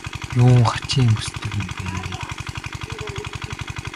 Юун хачин юм хүсдэг юм бэ?